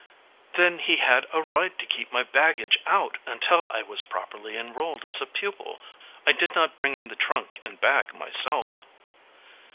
"Then he had a right to keep my baggage out until I was properly enrolled as a pupil. I did not bring in the trunk and bag myself."